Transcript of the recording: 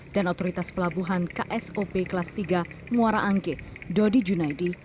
dan otoritas pelabuhan ksop kelas tiga muara angke dodi junaidi